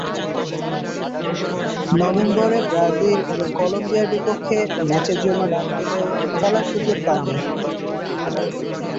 নভেম্বরে ব্রাজিল এবং কলম্বিয়ার বিপক্ষে ম্যাচের জন্য ডাক পেলেও খেলার সুযোগ পাননি।